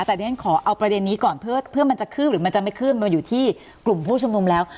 แต่ที่ฉันขอเอาประเด็นนี้ก่อนเพื่อมันจะขึ้นหรือมันจะไม่ขึ้นมันอยู่ที่กลุ่มผู้ชุมนุมแล้ว